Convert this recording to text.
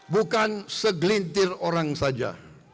bukan segelintir orang saja